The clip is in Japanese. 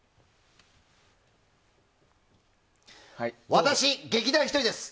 私、劇団ひとりです。